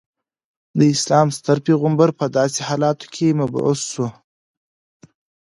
د اسلام ستر پیغمبر په داسې حالاتو کې مبعوث شو.